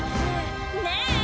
ねえ！